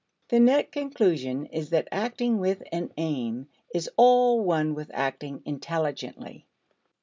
The net conclusion is that acting with an aim is all one with acting intelligently.